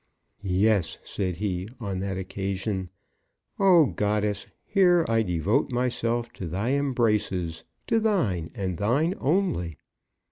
"Yes," said he on that occasion, "O goddess, here I devote myself to thy embraces, to thine and thine only.